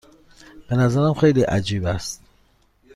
به نظرم خیلی عجیب است.